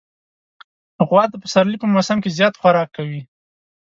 غوا د پسرلي په موسم کې زیات خوراک کوي.